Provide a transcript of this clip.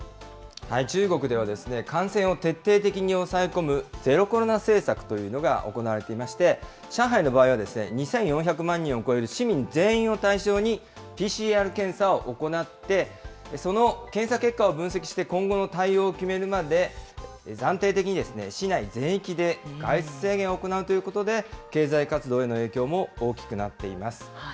中国では、感染を徹底的に抑え込むゼロコロナ政策というのが行われていまして、上海の場合は、２４００万人を超える市民全員を対象にＰＣＲ検査を行って、その検査結果を分析して今後の対応を決めるまで暫定的に市内全域で外出制限を行うということで、経済活動への影響も大きくなっています。